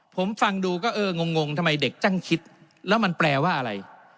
ผมฟังดูก็เอองงทำไมเด็กจังคิดแล้วมันแปลว่าอะไร